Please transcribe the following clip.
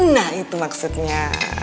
nah itu maksudnya